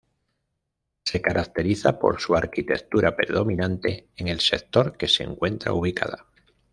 Se caracteriza por su arquitectura predominante en el sector que se encuentra ubicada.